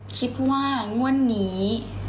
คิดว่างวดนี้